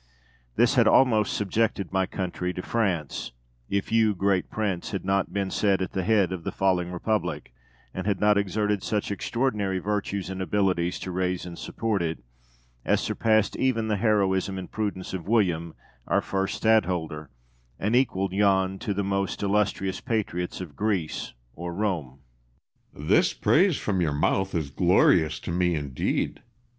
This had almost subjected my country to France, if you, great prince, had not been set at the head of the falling Republic, and had not exerted such extraordinary virtues and abilities to raise and support it, as surpassed even the heroism and prudence of William, our first Stadtholder, and equalled yon to the most illustrious patriots of Greece or Rome. William. This praise from your mouth is glorious to me indeed!